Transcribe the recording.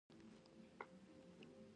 ټول خلک ورڅخه را وګرځېدل.